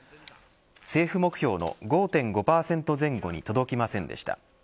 政府目標の５．５％前後に届きませんでした。